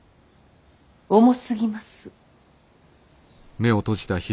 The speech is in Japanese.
重すぎます。